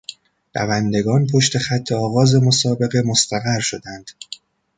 دوندگان پشت خط آغاز مسابقه مستقر شدند.